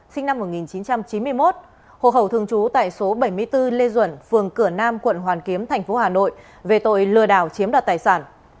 sinh năm một nghìn chín trăm chín mươi một hồ hậu thường trú tại số bảy mươi bốn lê duẩn phường cửa nam quận hoàn kiếm tp hà nội về tội lừa đảo chiếm đoạt tài sản